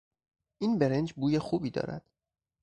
این برنج بوی خوبی دارد.